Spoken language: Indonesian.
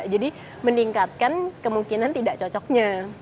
jadi meningkatkan kemungkinan tidak cocoknya